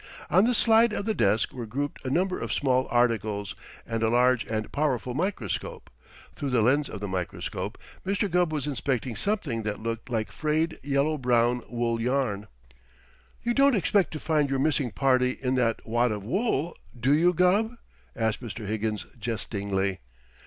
On the slide of the desk were grouped a number of small articles, and a large and powerful microscope. Through the lens of the microscope Mr. Gubb was inspecting something that looked like frayed yellow brown wool yarn. "You don't expect to find your missing party in that wad of wool, do you, Gubb?" asked Mr. Higgins jestingly.